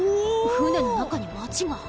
船の中に町が。